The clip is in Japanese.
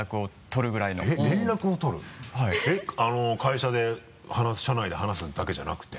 会社で社内で話すだけじゃなくて？